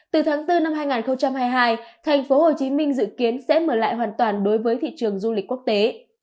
từ tháng bốn năm hai nghìn hai mươi hai thành phố hồ chí minh dự kiến sẽ mở lại hoàn toàn đối với thị trường du lịch quốc tế